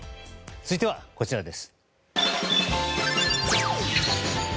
続いては、こちらです。